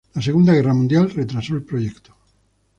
La segunda guerra mundial retrasó el proyecto.